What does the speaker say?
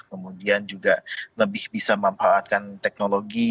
kemudian juga lebih bisa memanfaatkan teknologi